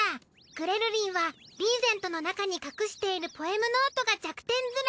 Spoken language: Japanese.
グレるりんはリーゼントの中に隠しているポエムノートが弱点ズラ。